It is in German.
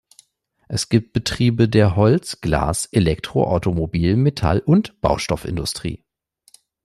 Es gibt Betriebe der Holz-, Glas-, Elektro-, Automobil-, Metall- und Baustoffindustrie.